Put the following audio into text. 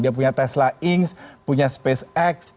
dia punya tesla inc punya spacex